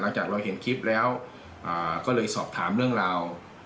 หลังจากเราเห็นคลิปแล้วก็เลยสอบถามเรื่องราว